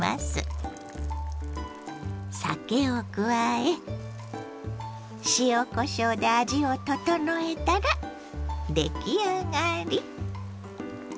酒を加え塩こしょうで味を調えたら出来上がり。